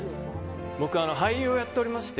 僕、俳優をやっておりまして。